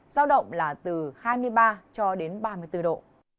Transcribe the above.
giao động là từ hai mươi ba cho đến ba mươi bốn độ